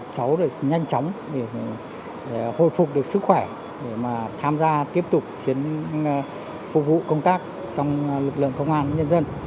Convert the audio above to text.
cháu được nhanh chóng để hồi phục được sức khỏe để mà tham gia tiếp tục phục vụ công tác trong lực lượng công an nhân dân